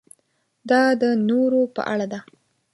دا د نورو په اړه ده.